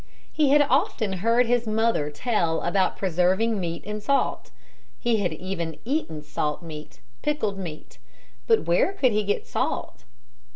He had often heard his mother tell about preserving meat in salt. He had even eaten salt meat, pickled meat. But where could he get salt?